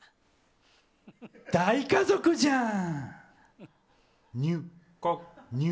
大家族じゃん！